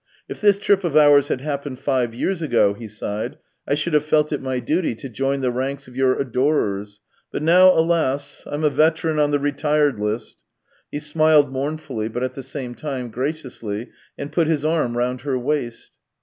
If this trip of ours had hap pened five years ago," he sighed, " I should have felt it my duty to join the ranks of your adorers, but now, alas, I'm a veteran on the retired list." He smiled mournfully, but at the same time graciously, and put his arm round her waist.